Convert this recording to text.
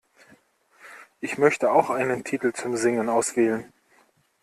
Ich möchte auch einen Titel zum Singen auswählen.